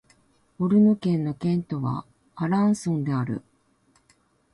オルヌ県の県都はアランソンである